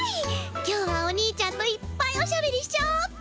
今日はおにいちゃんといっぱいおしゃべりしちゃおうっと。